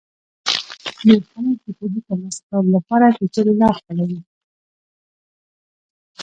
ډېر خلک د پوهې ترلاسه کولو لپاره پېچلې لار خپلوي.